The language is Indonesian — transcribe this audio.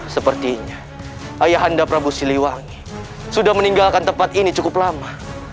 sepertinya ayah anda prabu siliwangi sudah meninggalkan tempat ini cukup lama